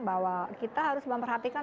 bahwa kita harus memperhatikan